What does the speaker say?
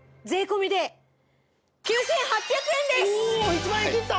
１万円切った！